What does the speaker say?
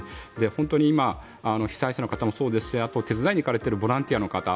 本当に今被災者の方もそうですし手伝いに行かれているボランティアの方